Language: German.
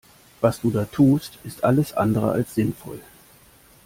Was du da tust ist alles andere als sinnvoll.